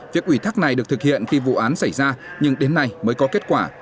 việc ủy thắc này được thực hiện khi vụ án xảy ra nhưng đến nay mới có kết quả